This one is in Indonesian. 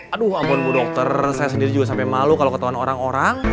aduh ampun bu dokter saya sendiri juga sampe malu kalau ketauan orang orang